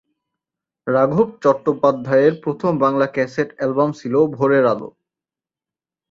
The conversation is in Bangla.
রাঘব চট্টোপাধ্যায়ের প্রথম বাংলা ক্যাসেট অ্যালবাম ছিল 'ভোরের আলো'।